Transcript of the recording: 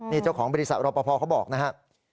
นี่เจ้าของบริษัทรอปภเขาบอกนะครับ